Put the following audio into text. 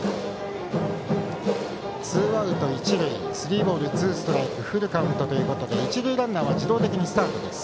ツーアウト一塁スリーボール、ツーストライクフルカウントということで一塁ランナーは自動的にスタートです。